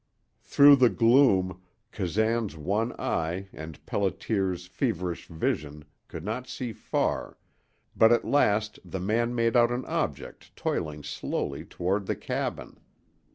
Through the gloom Kazan's one eye and Pelliter's feverish vision could not see far, but at last the man made out an object toiling slowly toward the cabin.